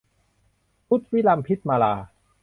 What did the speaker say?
ทุตวิลัมพิตมาลา